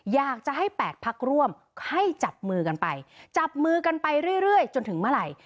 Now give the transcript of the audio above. อยากจะให้๘พักร่วมให้จับมือกันไปจับมือกันไปเรื่อยจนถึงเมื่อไหร่